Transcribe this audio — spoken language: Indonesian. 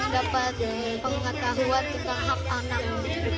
dapat pengangkat kahuan kita hak anak